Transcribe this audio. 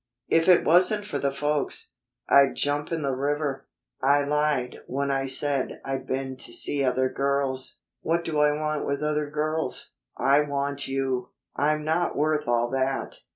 If it wasn't for the folks, I'd jump in the river. I lied when I said I'd been to see other girls. What do I want with other girls? I want you!" "I'm not worth all that."